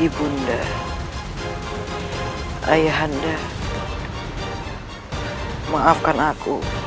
ibu anda ayah anda maafkan aku